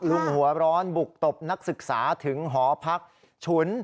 หัวร้อนบุกตบนักศึกษาถึงหอพักฉุน